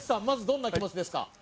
まずどんな気持ちですか？